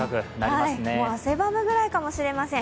汗ばむぐらいかもしれません。